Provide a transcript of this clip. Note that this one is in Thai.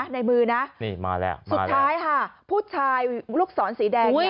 ในมือนะสุดท้ายค่ะผู้ชายลูกศรสีแดง